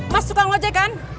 mas suka ngajekan